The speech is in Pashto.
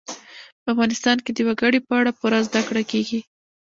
په افغانستان کې د وګړي په اړه پوره زده کړه کېږي.